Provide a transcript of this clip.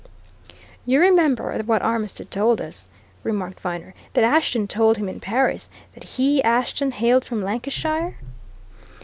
"You remember what Armitstead told us," remarked Viner. "That Ashton told him, in Paris, that he, Ashton, hailed from Lancashire?"